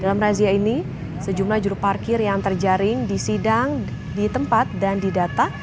dalam razia ini sejumlah juru parkir yang terjaring di sidang di tempat dan didata